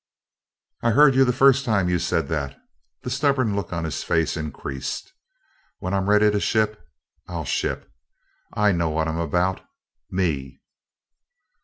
"I heard you the first time you said that." The stubborn look on his face increased. "When I'm ready to ship, I'll ship. I know what I'm about ME."